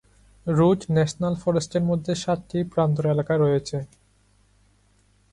Root national ফরেস্টের মধ্যে সাতটি প্রান্তর এলাকা রয়েছে।